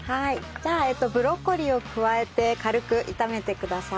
じゃあブロッコリーを加えて軽く炒めてください。